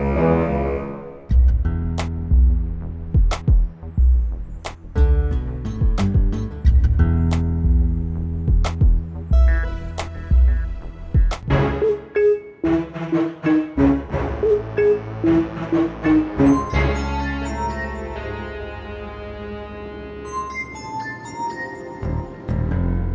nanti saya jelasin